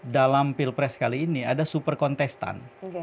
dalam pilpres kali ini ada super kontestan